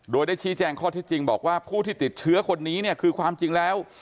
โดยได้ชี้แจงข้อที่จริงบอกว่าผู้ที่ติดเชื้อคนนี้เนี่ยคือความจริงแล้ว